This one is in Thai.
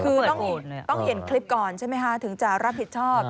คือต้องเห็นคลิปก่อนถึงจะรับผิดชอบ